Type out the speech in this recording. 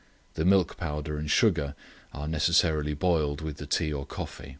The milk powder and sugar are necessarily boiled with the tea or cocoa.